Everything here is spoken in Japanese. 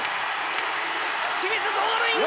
清水ゴールイン！